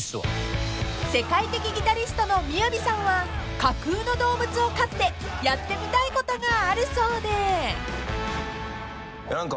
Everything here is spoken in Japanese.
［世界的ギタリストのＭＩＹＡＶＩさんは架空の動物を飼ってやってみたいことがあるそうで］